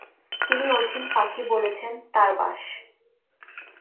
তিনি অচিন পাখি বলেছেন, তার বাস।